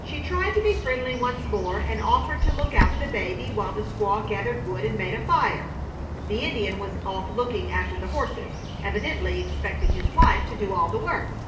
She tried to be friendly once more, and offered to look out for the baby while the squaw gathered wood and made a fire. The Indian was off looking after the horses, evidently expecting his wife to do all the work.